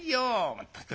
まったく。